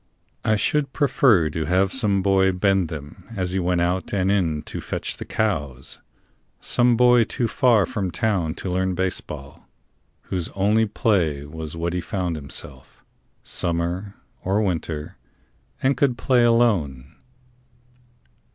I should prefer to have some boy bend them As he went out and in to fetch the cows Some boy too far from town to learn baseball, Whose only play was what he found himself, Summer or winter, and could play alone.